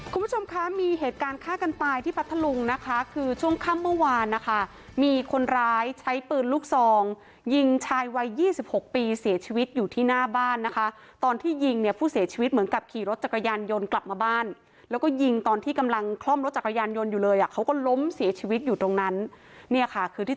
คุณผู้ชมคะมีเหตุการณ์ฆ่ากันตายที่พัทธลุงนะคะคือช่วงค่ำเมื่อวานนะคะมีคนร้ายใช้ปืนลูกซองยิงชายวัยยี่สิบหกปีเสียชีวิตอยู่ที่หน้าบ้านนะคะตอนที่ยิงเนี่ยผู้เสียชีวิตเหมือนกับขี่รถจักรยานยนต์กลับมาบ้านแล้วก็ยิงตอนที่กำลังคล่อมรถจักรยานยนต์อยู่เลยอ่ะเขาก็ล้มเสียชีวิตอยู่ตรงนั้นเนี่ยค่ะคือที่